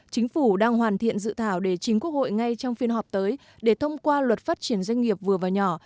chính phủ đang hoàn thiện dự thảo để chính quốc hội ngay trong phiên họp tới để thông qua luật phát triển doanh nghiệp vừa và nhỏ